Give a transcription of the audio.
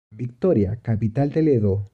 Victoria, capital del Edo.